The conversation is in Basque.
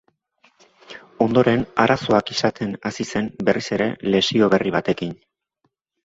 Ondoren arazoak izaten hasi zen berriz ere lesio berri batekin.